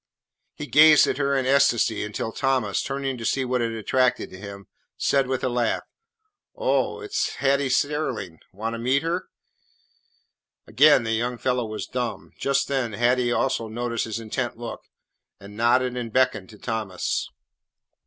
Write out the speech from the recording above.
He gazed at her in ecstasy until Thomas, turning to see what had attracted him, said with a laugh, "Oh, it 's Hattie Sterling. Want to meet her?" Again the young fellow was dumb. Just then Hattie also noticed his intent look, and nodded and beckoned to Thomas.